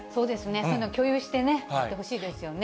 そういうのを共有してやってほしいですよね。